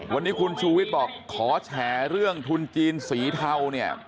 วันนี้คุณชูวิทย์บอกขอแฉเรื่องทุนจีนสีเทาเนี่ย